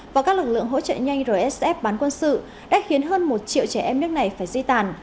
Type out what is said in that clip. và các lực lượng hỗ trợ nhanh rsf bán quân sự đã khiến hơn một triệu trẻ em nước này phải di tản